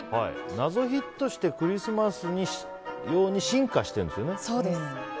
謎ヒットしてクリスマス用に進化してるんですよね。